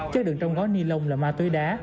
chất đường trong gói ni lông là ma túy đá